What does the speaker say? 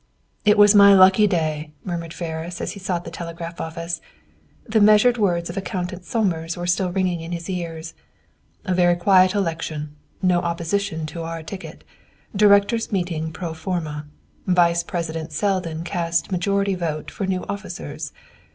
"It's my lucky day," murmured Ferris, as he sought the telegraph office. The measured words of Accountant Somers were still ringing in his ears: "A very quiet election; no opposition to our ticket. Directors' meeting pro forma. Vice President Selden cast majority vote for new officers.